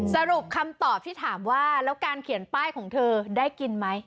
สรุปคำตอบที่ถามว่าแล้วการเขียนป้ายของเธอได้กินไหม